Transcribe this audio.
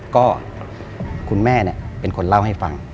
ก็คุณแม่เป็นคนเล่าให้ฟัง